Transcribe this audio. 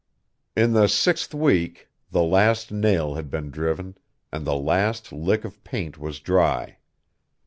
In the sixth week, the last nail had been driven, and the last lick of paint was dry.